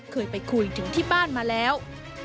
เคยไปคุยถึงที่บ้านมาแล้ว